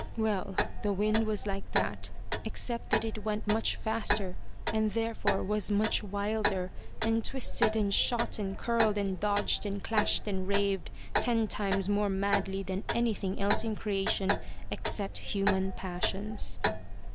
Well, the wind was like that, except that it went much faster, and therefore was much wilder, and twisted and shot and curled and dodged and clashed and raved ten times more madly than anything else in creation except human passions.